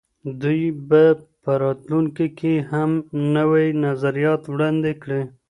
دوی به په راتلونکي کي هم نوي نظریات وړاندې کړي.